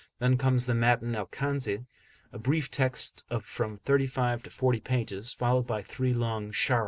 Then comes the Matn al Kanz, a brief text of from 35 to 40 pages, followed by three long Sharh.